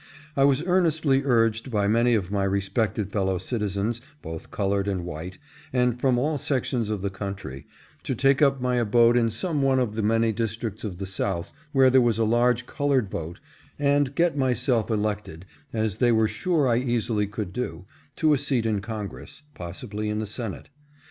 I was earnestly urged by many of my respected fellow citizens, both colored and white, and from all sections of the country, to take up my abode in some one of the many districts of the South where there was a large colored vote and get myself elected, as they were sure I easily could do, to a seat in Congress — possibly in the Senate.